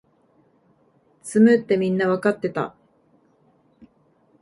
詰むってみんなわかってた